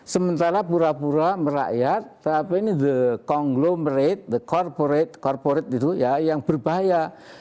sementara pura pura merakyat tapi ini the conglomerate the corporate corporate itu ya yang berbahaya